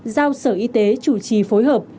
giao sở y tế chủ trì phối hợp